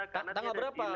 karena dia ada di lainnya